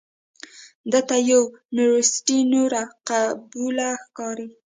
ده ته یونورسټي نوره قبوله ښکاري.